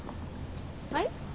はい？